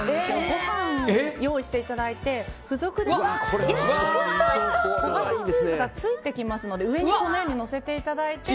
ご飯を用意していただいて付属で焦がしチーズが付いてきますので上にのせていただいて。